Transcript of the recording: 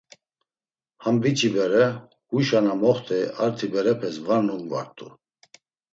Ham biç̌i bere, huyşa na moxt̆ey arti berepes var numgvart̆u.